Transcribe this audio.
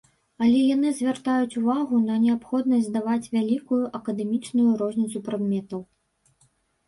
Але яны звяртаюць увагу на неабходнасць здаваць вялікую акадэмічную розніцу прадметаў.